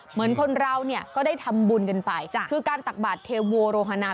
เหมือนคนเราเนี่ยก็ได้ทำบุญกันไปคือการตักบาทเทโวโรฮา